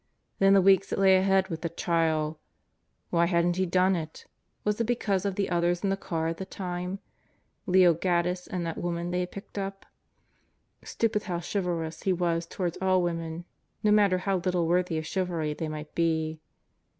Then the weeks that lay ahead with the trial ... Why hadn't he done it? Was it because of the others in the car at the time: Leo Gaddis and that woman they had picked up? Stupid how chivalrous he was toward all women no matter how little worthy of chivalry they might be.